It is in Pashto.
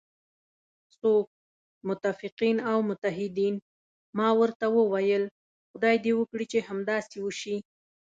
څوک؟ متفقین او متحدین، ما ورته وویل: خدای دې وکړي چې همداسې وشي.